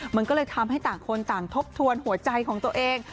มันก็เลยทำให้ต่างคนต่างทบทวนหัวใจของตัวเอง